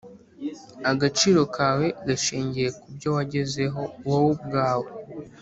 agaciro kawe gashingiye ku byo wagezeho wowe ubwawe